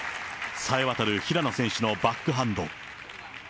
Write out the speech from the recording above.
さえわたる平野選手のバックハンド。